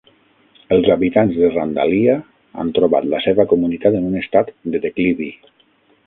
Els habitants de Randalia han trobat la seva comunitat en un estat de declivi.